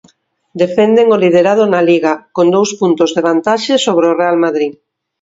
Defenden o liderado na Liga, con dous puntos de vantaxe sobre o Real Madrid.